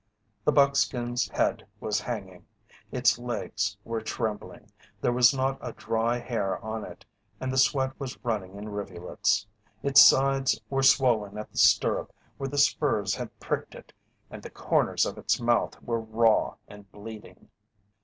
The buckskin's head was hanging, its legs were trembling, there was not a dry hair on it and the sweat was running in rivulets. Its sides were swollen at the stirrup where the spurs had pricked it, and the corners of its mouth were raw and bleeding.